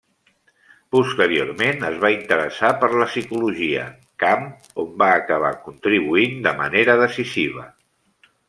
Posteriorment es va interessar per la psicologia, camp on va acabar contribuint de manera decisiva.